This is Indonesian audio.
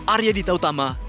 arya dita utama